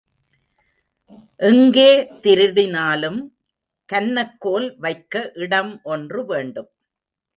எங்கே திருடினாலும் கன்னக்கோல் வைக்க இடம் ஒன்று வேண்டும்.